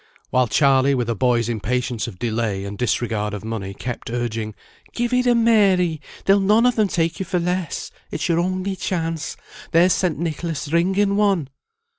While Charley, with a boy's impatience of delay, and disregard of money, kept urging, "Give it 'em, Mary; they'll none of them take you for less. It's your only chance. There's St. Nicholas ringing one!"